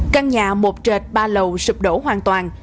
căn nhà một trệt ba lầu sụp đổ hoàn toàn